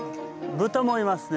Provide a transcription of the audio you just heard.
豚もいますね。